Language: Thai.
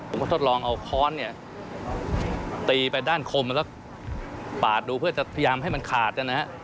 มาทดลองเอาค้อนเนี่ยตีไปด้านคมแล้วก็ปาดดูเพื่อจะพยายามให้มันขาดนะฮะ